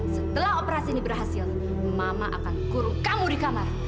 setelah operasi ini berhasil mama akan kuruk kamu di kamar